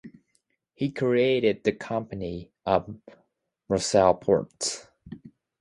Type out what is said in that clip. He created the Company of Marseille ports.